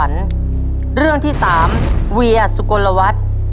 เรื่องที่สามเวียสุโกนละวัด